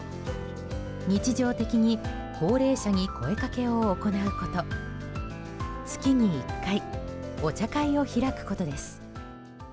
日常的に高齢者に声掛けを行うこと月に１回お茶会を開くことです。